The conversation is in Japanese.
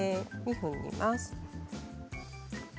２分煮ます。